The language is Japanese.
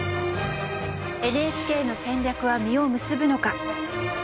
ＮＨＫの戦略は実を結ぶのか？